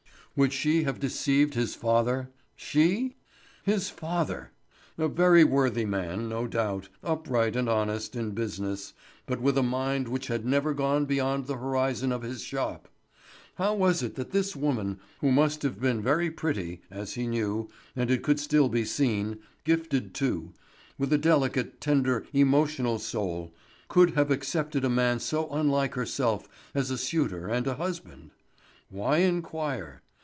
Would she have deceived his father—she? His father!—A very worthy man, no doubt, upright and honest in business, but with a mind which had never gone beyond the horizon of his shop. How was it that this woman, who must have been very pretty—as he knew, and it could still be seen—gifted, too, with a delicate, tender emotional soul, could have accepted a man so unlike herself as a suitor and a husband? Why inquire?